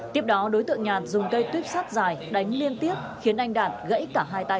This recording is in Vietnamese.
tiếp đó đối tượng nhàn dùng cây tuyếp sắt dài đánh liên tiếp khiến anh đạt gãy cả hai tay